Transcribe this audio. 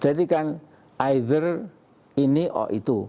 jadi kan either ini oh itu